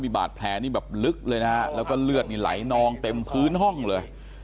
บาดแผลนี่แบบลึกเลยนะฮะแล้วก็เลือดนี่ไหลนองเต็มพื้นห้องเลย